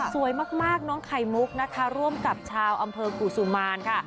สวยมากน้องไข่มุกนะคะร่วมกับชาวอำเภอกุศุมารค่ะ